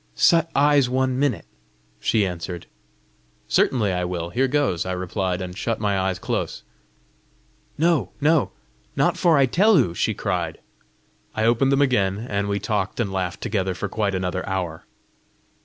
"Shut eyes one minute," she answered. "Certainly I will! Here goes!" I replied, and shut my eyes close. "No, no! not fore I tell oo!" she cried. I opened them again, and we talked and laughed together for quite another hour.